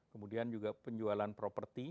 kemudian juga penjualan properti